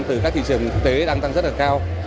từ các thị trường quốc tế đang tăng rất là cao